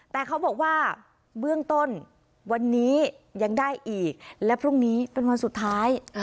แต่เขาบอกว่าเบื้องต้นวันนี้ยังได้อีกและพรุ่งนี้เป็นวันสุดท้าย